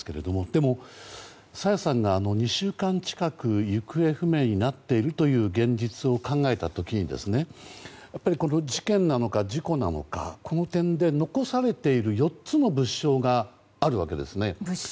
でも、朝芽さんが２週間近く行方不明になっているという現実を考えた時にやっぱり、事件なのか事故なのかこの点で残されている４つの物証があるわけですね。